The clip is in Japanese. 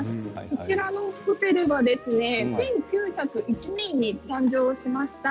こちらのホテルは１９０１年に誕生しました。